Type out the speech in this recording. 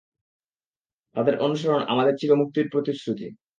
তাদের অনুসরণ আমাদের চিরমুক্তির প্রতিশ্রুতি।